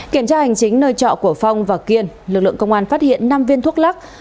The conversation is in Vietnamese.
kiểm tra hành chính nơi trọ của phong và kiên lực lượng công an phát hiện năm viên thuốc lắc